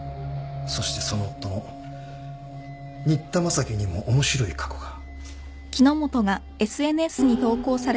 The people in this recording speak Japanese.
そしてその夫の新田正樹にも面白い過去が。